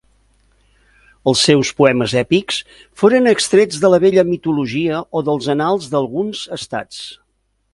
Els seus poemes èpics foren extrets de la vella mitologia o dels annals d'alguns estats.